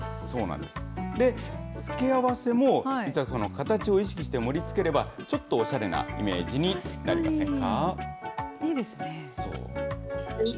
付け合わせも実は形を意識して盛りつければ、ちょっとおしゃれなイメージになりませんか。